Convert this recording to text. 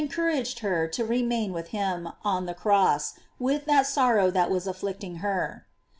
couraged her to remain with him on the cross with that sorrow that was afflicting her.